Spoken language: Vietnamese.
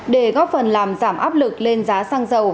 để góp phần làm giảm áp lực lên giá xăng dầu